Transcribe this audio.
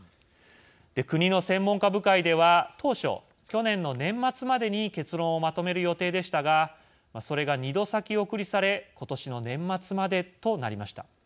国の専門家部会では当初、去年の年末までに結論をまとめる予定でしたがそれが２度先送りされ今年の年末までとなりました。